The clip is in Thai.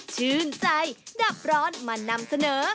ชื่นใจดับร้อนมานำเสนอ